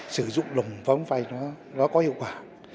sử dụng đồng vong vay nó có hiệu quả